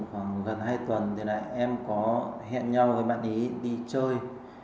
được khoảng gần hai tuần thì em có hẹn nhau với bạn ấy đi chơi